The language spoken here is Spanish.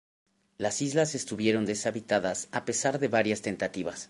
Las islas estuvieron deshabitadas a pesar de varias tentativas.